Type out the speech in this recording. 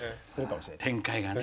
展開がね。